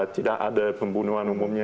tidak ada pembunuhan umumnya